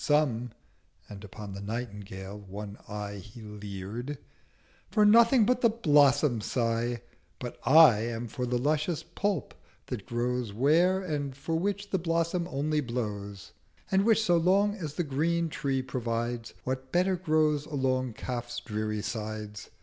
Some'—and upon the Nightingale one Eye He leer'd—'for nothing but the Blossom sigh: But I am for the luscious Pulp that grows Where, and for which the Blossom only blows: And which so long as the Green Tree provides What better grows along Kaf's dreary Sides?